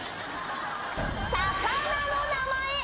魚の名前。